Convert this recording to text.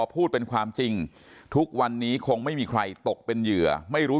พูดเป็นความจริงทุกวันนี้คงไม่มีใครตกเป็นเหยื่อไม่รู้